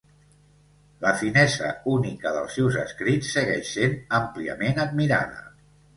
La finesa única dels seus escrits segueix sent àmpliament admirada.